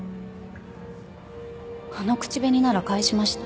あの口紅なら返しました。